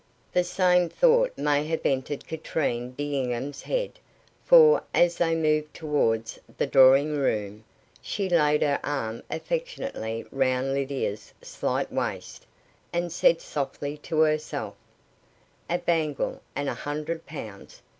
The same thought may have entered Katrine D'Enghien's head, for, as they moved towards the drawing room, she laid her arm affectionately round Lydia's slight waist, and said softly to herself: "A bangle and a hundred pounds!